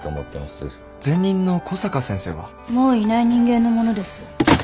もういない人間の物です。